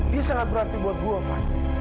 dia sangat berarti buat gua van